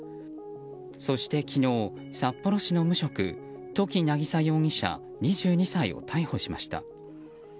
そして昨日、札幌市の無職土岐渚容疑者、２２歳を逮捕しました。